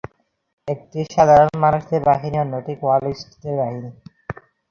একটি সাধারণ মানুষদের বাহিনী অন্যটি কোয়ালিস্টদের বাহিনী।